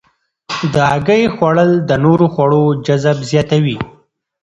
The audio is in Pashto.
د هګۍ خوړل د نورو خوړو جذب زیاتوي.